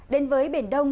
đến với biển đông